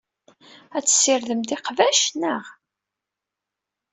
Ad tessirdemt iqbac, naɣ?